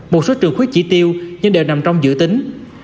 một số trường khuyết chỉ tiêu nhưng đều nằm trong dự tính